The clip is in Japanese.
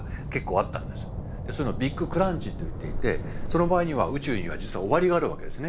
そういうのをビッグクランチといっていてその場合には宇宙には実は終わりがあるわけですね。